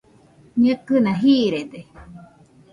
Ñekɨna jiiride